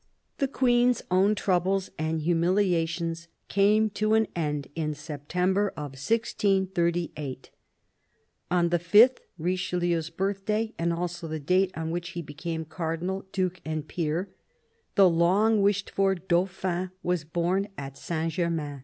The Queen's own troubles and humiliations came to an end in September 1638. On the sth — Richelieu's birthday and also the date on which he became Cardinal, Duke, and Peer — the long wished for Dauphin was born at Saint Germain.